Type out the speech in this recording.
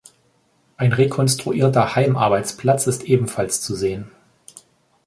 Ein rekonstruierter Heim-Arbeitsplatz ist ebenfalls zu sehen.